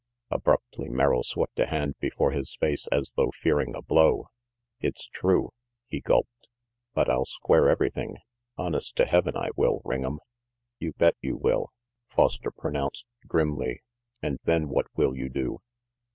Abruptly Merrill swept a hand before his face as though fearing a blow. "It's true," he gulped, "but I'll square everything. Honest to Heaven, I will, Ring'em." "You bet you will," Foster pronounced grimly. "And then what will you do?"